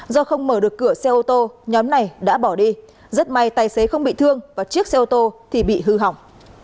do không mở được cửa xe ô tô nhóm này đã bỏ đi rất may tài xế không bị thương và chiếc xe ô tô thì bị hư hỏng